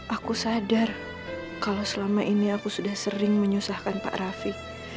aku sadar kalau selama ini aku sudah sering menyusahkan pak rafi